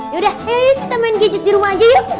yaudah yaudah kita main gadget di rumah aja yuk